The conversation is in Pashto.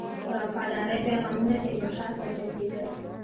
د وفاداری پیغامونه تیمورشاه ته ورسېدل.